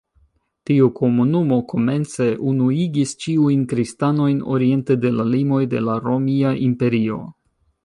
Tiu komunumo komence unuigis ĉiujn kristanojn oriente de la limoj de la Romia Imperio.